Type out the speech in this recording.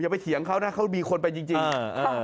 อย่าไปเถียงเขานะเขามีคนไปจริง